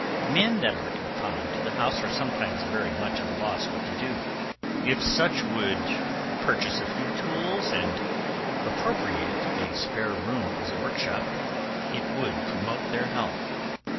Men that are confined to the house are sometimes very much at a loss what to do; if such would purchase a few tools, and appropriate a spare room as a workshop, it would promote their health.